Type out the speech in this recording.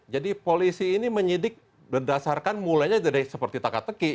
jadi polisi ini menyidik berdasarkan mulainya dari seperti tekat teki